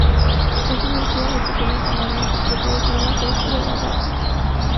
Es una orquídea de pequeño tamaño, que prefiere clima fresco y agradable.